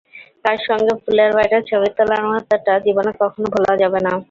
তাঁর সঙ্গে পুলের বাইরে ছবি তোলার মুহূর্তটা জীবনে কখনো ভোলা যাবে না।